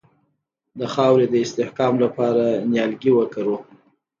د خاورې د استحکام لپاره نیالګي وکرو.